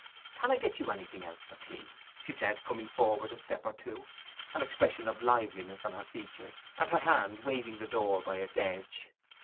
'Can I get you anything else for tea?' she said, coming forward a step or two, an expression of liveliness on her features, and her hand waving the door by its edge.